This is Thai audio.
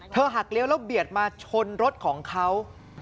หักเลี้ยวแล้วเบียดมาชนรถของเขา